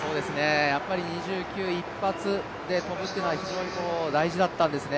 やっぱり２９一発で跳ぶというのは非常に大事だったんですね。